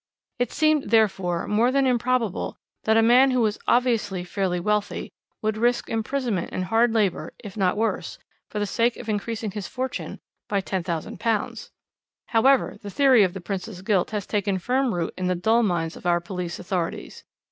It seemed, therefore, more than improbable that a man who was obviously fairly wealthy would risk imprisonment and hard labour, if not worse, for the sake of increasing his fortune by £10,000. "However, the theory of the Prince's guilt has taken firm root in the dull minds of our police authorities.